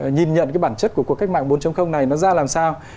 nhìn nhận cái bản chất của cuộc cách mạng bốn này nó ra làm sao